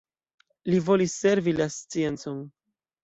Li volis servi la sciencon.